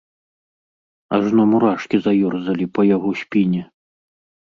Ажно мурашкі заёрзалі па яго спіне.